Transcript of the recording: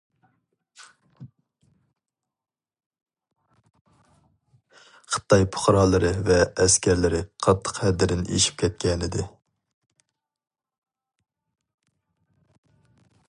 خىتاي پۇقرالىرى ۋە ئەسكەرلىرى قاتتىق ھەددىدىن ئېشىپ كەتكەنىدى.